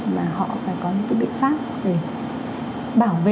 mà họ phải có những cái biện pháp để bảo vệ